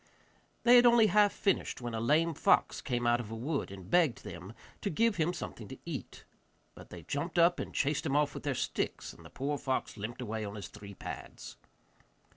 They had only half finished, when a lame fox came out of a wood and begged them to give him something to eat. But they jumped up and chased him off with their sticks, and the poor fox limped away on his three pads.